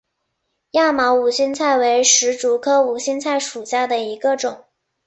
亚毛无心菜为石竹科无心菜属下的一个种。